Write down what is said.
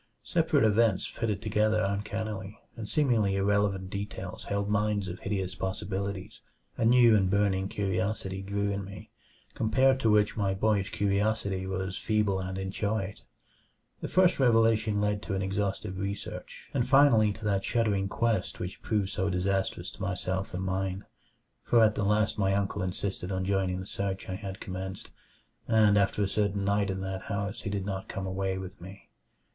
Separate events fitted together uncannily, and seemingly irrelevant details held mines of hideous possibilities. A new and burning curiosity grew in me, compared to which my boyish curiosity was feeble and inchoate. The first revelation led to an exhaustive research, and finally to that shuddering quest which proved so disastrous to myself and mine. For at the last my uncle insisted on joining the search I had commenced, and after a certain night in that house he did not come away with me.